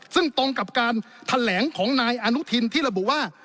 ซึ่งตรงกับการแถลงของนายอนุทินที่ระบุว่า